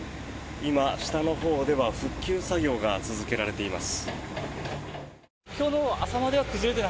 今、下のほうでは復旧作業が続けられています。